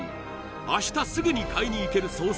明日すぐに買いに行ける惣菜